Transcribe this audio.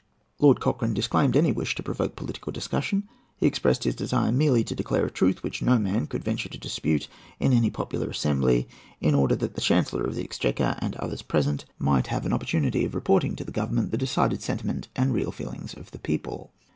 Lord Cochrane disclaimed any wish to provoke political discussion. He expressed his desire merely to declare a truth which no man could venture to dispute in any popular assembly, in order that the Chancellor of the Exchequer, and others present, might have an opportunity of reporting to Government the decided sentiment and real feeling of the people.